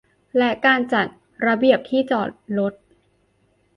และการจัดระเบียบที่จอดรถ